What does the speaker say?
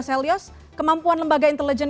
selyos kemampuan lembaga intelijen